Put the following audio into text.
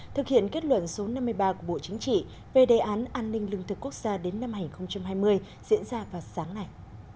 thực hiện kết luận số năm mươi ba của bộ chính trị về đề án an ninh lương thực quốc gia đến năm hai nghìn hai mươi diễn ra vào sáng nay